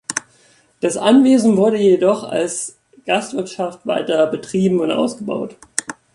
Das Anwesen wurde jedoch als Gastwirtschaft weiter betrieben und ausgebaut.